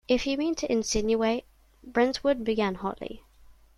If you mean to insinuate -- Brentwood began hotly.